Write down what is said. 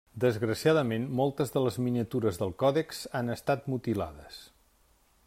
Desgraciadament moltes de les miniatures del còdex han estat mutilades.